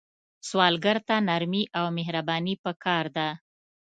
سوالګر ته نرمي او مهرباني پکار ده